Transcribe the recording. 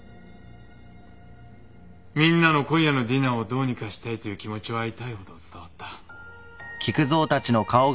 みんなの今夜のディナーをどうにかしたいという気持ちは痛いほど伝わった。